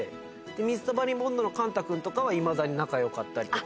水溜りボンドのカンタ君とかはいまだに仲良かったりとか。